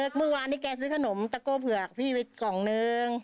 ซื้อขนมตะโก่เผือกพี่ไปกล่องนึง